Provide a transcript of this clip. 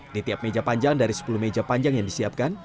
di tiap meja panjang dari sepuluh meja panjang yang disiapkan